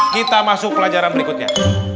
kita masuk pelajaran berikutnya